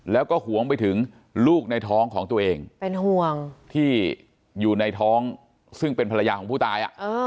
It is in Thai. แล้วก็หวงไปถึงลูกในท้องของตัวเองเป็นห่วงที่อยู่ในท้องซึ่งเป็นภรรยาของผู้ตาย